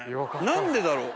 何でだろう？